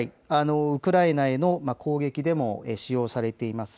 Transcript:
ウクライナへの攻撃でも使用されています